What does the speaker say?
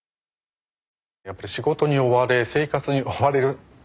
やっぱり仕事に追われ生活に追われる。